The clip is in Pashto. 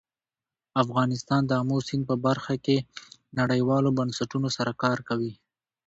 افغانستان د آمو سیند په برخه کې نړیوالو بنسټونو سره کار کوي.